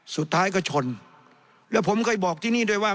สุดท้ายก็ชนแล้วผมเคยบอกที่นี่ด้วยว่า